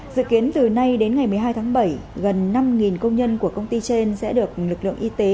dự kiến từ nay đến ngày một mươi hai tháng bảy gần năm công nhân của công ty trên sẽ được lực lượng y tế